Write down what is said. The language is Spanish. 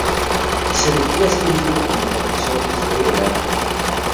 Se define a sí mismo como "profesor de Historia del Arte.